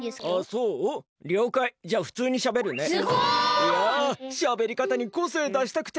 いやしゃべりかたにこせいだしたくて。